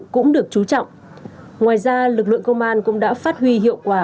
cũng được chú trọng ngoài ra lực lượng công an cũng đã phát huy hiệu quả